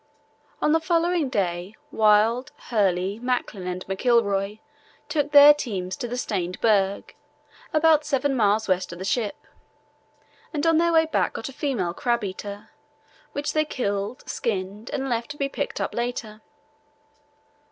On the following day Wild, Hurley, Macklin, and McIlroy took their teams to the Stained Berg, about seven miles west of the ship, and on their way back got a female crab eater, which they killed, skinned, and left to be picked up later.